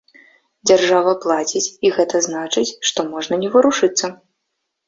Дзяржава плаціць, і гэта значыць, што можна не варушыцца.